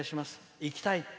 「生きたい。